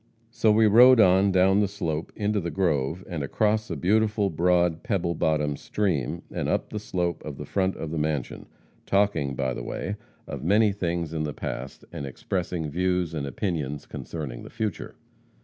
"So we rode on down the slope into the grove, and across a beautiful broad pebble bottom stream, and up the slope to the front of the mansion, talking, by the way, of many things in the past, and expressing views and opinions concerning the future.